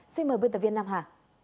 xin mời biên tập viên nam hà